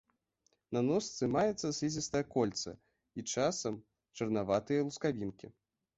На ножцы маецца слізістае кольца і, часам, чарнаватыя лускавінкі.